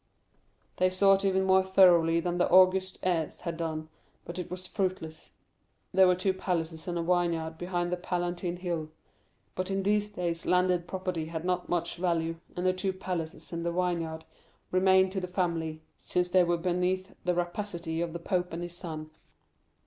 "They sought even more thoroughly than the august heirs had done, but it was fruitless. There were two palaces and a vineyard behind the Palatine Hill; but in these days landed property had not much value, and the two palaces and the vineyard remained to the family since they were beneath the rapacity of the pope and his son.